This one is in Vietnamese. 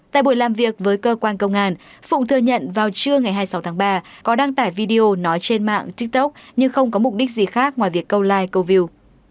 tại buổi làm việc với cơ quan công an phụng thừa nhận vào trưa ngày hai mươi sáu tháng ba có đăng tải video nói trên mạng tiktok nhưng không có mục đích gì khác ngoài việc câu like câu view